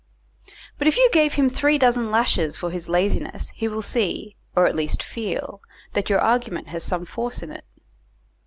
But if you gave him three dozen lashes for his laziness he will see, or at least feel, that your argument has some force in it.